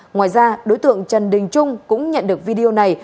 ngoài ra đối tượng trần đình trung cũng nhận được video này